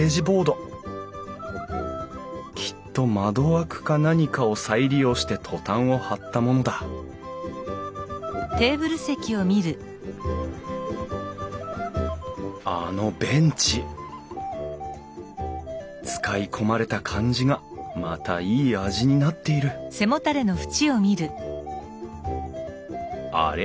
きっと窓枠か何かを再利用してトタンを張ったものだあのベンチ使い込まれた感じがまたいい味になっているあれ？